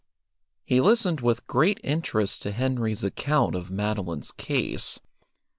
He listened with great interest to Henry's account of Madeline's case.